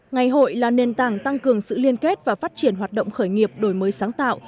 ngày hội là nền tảng tăng cường sự liên kết và phát triển hoạt động khởi nghiệp đổi mới sáng tạo